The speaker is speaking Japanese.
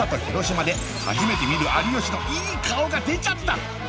広島で初めて見る有吉のいい顔が出ちゃった！